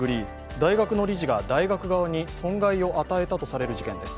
大学の理事が大学側に損害を与えたとされる事件です。